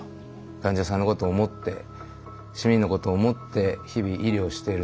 患者さんのこと思って市民のこと思って日々医療してる